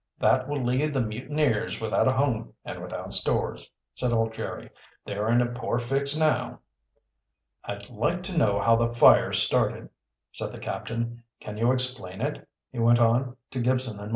"That will leave the mutineers without a home and without stores," said old Jerry. "They're in a poor fix now." "I'd like to know how the fire started," said the captain. "Can you explain it?" he went on, to Gibson and Marny.